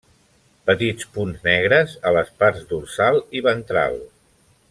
Petits punts negres a les parts dorsal i ventral.